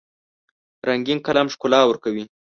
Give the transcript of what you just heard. رنګین قلم ښکلا ورکوي.